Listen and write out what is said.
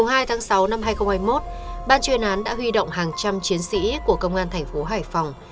ngày hai tháng sáu năm hai nghìn hai mươi một ban chuyên án đã huy động hàng trăm chiến sĩ của công an thành phố hải phòng